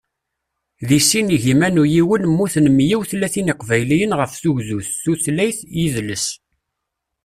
Di sin igiman u yiwen mmuten meyya u tlatin iqbayliyen ɣef tugdut, tutlayt, yidles...